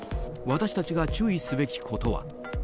私たちが注意すべきことは。